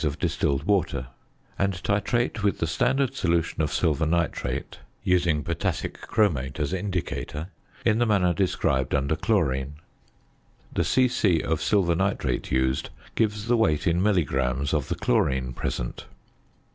of distilled water, and titrate with the standard solution of silver nitrate (using potassic chromate as indicator) in the manner described under Chlorine. The c.c. of silver nitrate used gives the weight in milligrams of the chlorine present.